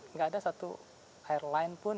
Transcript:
nggak ada satu airline pun